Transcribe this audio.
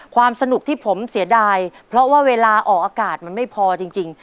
ความสนุกที่ผมเสียดายเพราะว่าเวลาออกอากาศมันไม่พอจริง